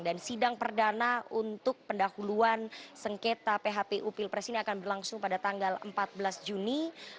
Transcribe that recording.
dan sidang perdana untuk pendahuluan sengketa phpu pilpres ini akan berlangsung pada tanggal empat belas juni dua ribu sembilan belas